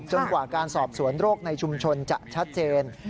กว่าการสอบสวนโรคในชุมชนจะชัดเจน